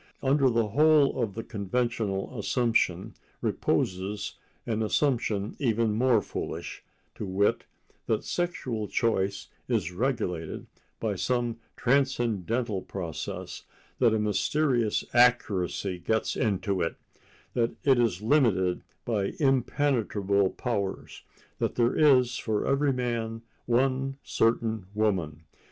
Under the whole of the conventional assumption reposes an assumption even more foolish, to wit, that sexual choice is regulated by some transcendental process, that a mysterious accuracy gets into it, that it is limited by impenetrable powers, that there is for every man one certain woman.